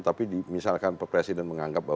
tapi misalkan presiden menganggap